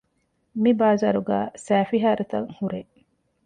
މިބާޒާރުގައި ސައިފިހާރަތައް ހުރޭ